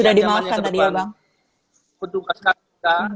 yang jaman yang ke depan